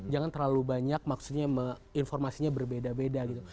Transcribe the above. jangan terlalu banyak maksudnya informasinya berbeda beda gitu